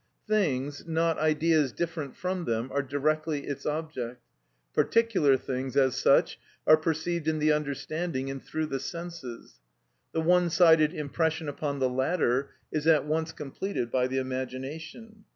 Things, not ideas different from them, are directly its object. Particular things as such are perceived in the understanding and through the senses; the one sided impression upon the latter is at once completed by the imagination.